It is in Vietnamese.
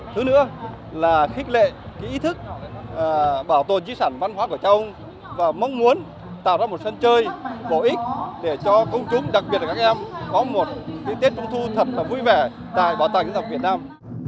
thứ nữa là khích lệ ý thức bảo tồn di sản văn hóa của cha ông và mong muốn tạo ra một sân chơi bổ ích để cho công chúng đặc biệt là các em có một cái tết trung thu thật là vui vẻ tại bảo tàng dân tộc việt nam